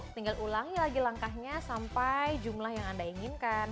tinggal ulangi lagi langkahnya sampai jumlah yang anda inginkan